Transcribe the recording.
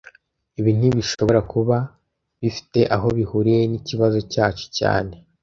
Ibi ntibishobora kuba bifite aho bihuriye nikibazo cyacu cyane